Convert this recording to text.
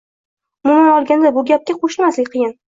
Umuman olganda bu gapga qo‘shilmaslik qiyin